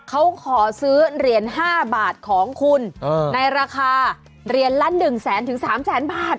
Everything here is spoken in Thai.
เขาขอซื้อเหรียญ๕บาทของคุณในราคาเหรียญละ๑แสนถึง๓แสนบาท